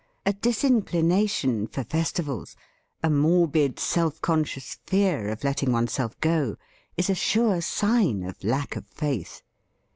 A disinclination for festivals, a morbid self conscious fear of letting oneself go, is a sure sign of lack of faith.